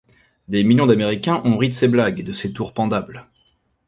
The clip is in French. Des millions d'Américains ont ri de ses blagues et de ses tours pendables.